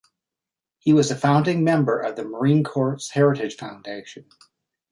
He was a founding member of the Marine Corps Heritage Foundation.